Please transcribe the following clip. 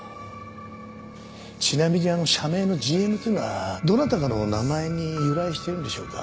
ちなみに社名のＧＭというのはどなたかの名前に由来しているんでしょうか？